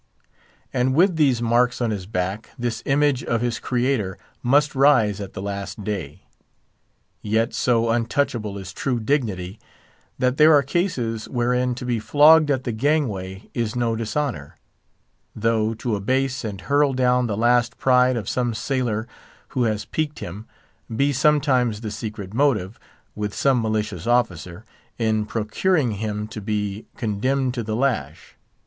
And with these marks on his back, this image of his Creator must rise at the Last Day. Yet so untouchable is true dignity, that there are cases wherein to be flogged at the gangway is no dishonour; though, to abase and hurl down the last pride of some sailor who has piqued him, be some times the secret motive, with some malicious officer, in procuring him to be condemned to the lash.